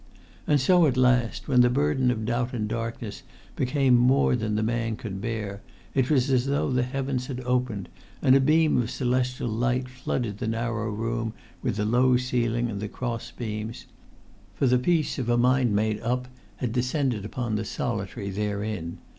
And so at last, when the burden of doubt and darkness became more than the man could bear, it was as though the heavens had opened, and a beam of celestial light flooded the narrow room with the low ceiling and the cross beams; for the peace of a mind made up had descended upon the solitary therein.